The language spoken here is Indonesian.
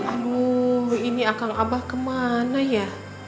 aduh ini akal abah kemana ya